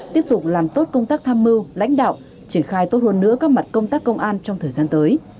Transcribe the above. tiếp tục làm tốt công tác tham mưu lãnh đạo triển khai tốt hơn nữa các mặt công tác công an trong thời gian tới